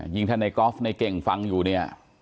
ยิ่งท่านไนก๊อฟในเก่งฟังอยู่เนี่ย